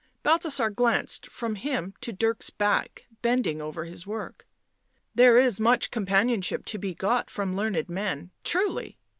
Balthasar glanced from him to Dirk's back, bending over his work. " There is much companionship to be got from learned men, truly!"